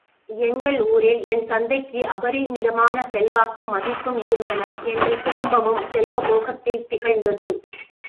எங்கள் ஊரில் என் தந்தைக்கு அபரிமிதமான செல்வாக்கும் மதிப்பும் இருந்தன எங்கள் குடும்பமும் செல்வபோகத்தில் திகழ்ந்தது.